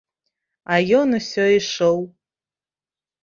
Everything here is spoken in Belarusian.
А ён усё ішоў.